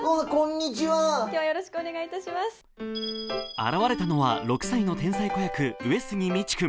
現れたのは６歳の天才子役上杉みち君。